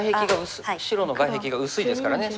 白の外壁が薄いですからね。